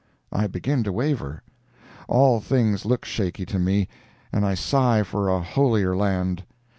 I begin to waver. All things look shaky to me, and I sigh for a Holier land.